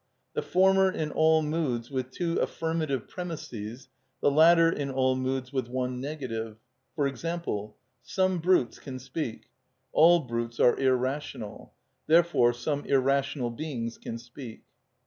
The former in all moods with two affirmative premisses, the latter in all moods with one negative; for example: Some brutes can speak; All brutes are irrational: Therefore some irrational beings can speak.